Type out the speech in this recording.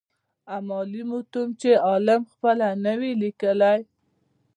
امالي متون چي عالم خپله نه وي ليکلي.